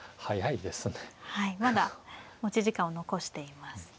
はいまだ持ち時間を残しています。